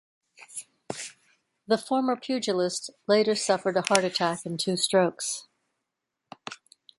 The former pugilist later suffered a heart attack and two strokes.